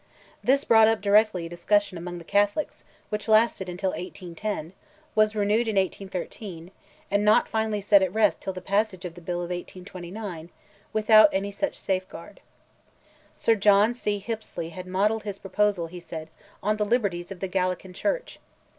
This brought up directly a discussion among the Catholics, which lasted until 1810, was renewed in 1813, and not finally set at rest till the passage of the bill of 1829, without any such safeguard. Sir John C. Hippesley had modelled his proposal, he said, on the liberties of the Gallican Church.